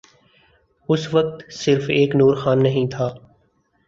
اس وقت صرف ایک نور خان نہیں تھا۔